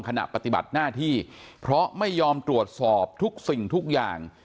ขณะปฏิบัติหน้าที่เพราะไม่ยอมตรวจสอบทุกสิ่งทุกอย่าง